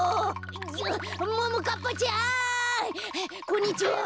こんにちは。